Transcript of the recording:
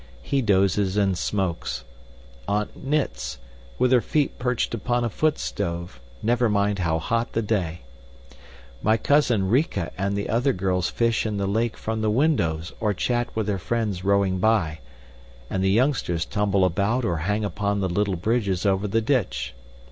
He dozes and smokes; aunt knits, with her feet perched upon a foot stove, never mind how hot the day; my cousin Rika and the other girls fish in the lake from the windows or chat with their friends rowing by; and the youngsters tumble about or hang upon the little bridges over the ditch.